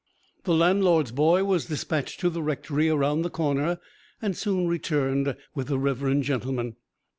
The landlord's boy was dispatched to the rectory around the corner and soon returned with the reverend gentleman.